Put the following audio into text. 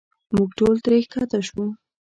موږ ټول ترې ښکته شو.